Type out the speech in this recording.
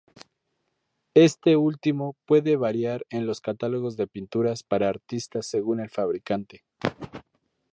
Este último puede variar en los catálogos de pinturas para artistas según el fabricante.